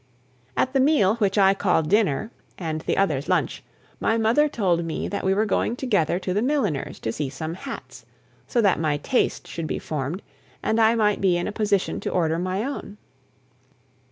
At the meal which I call dinner, and the others lunch, my mother told me that we were going together to the milliner's to see some hats, so that my taste should be formed, and I might be in a position to order my own.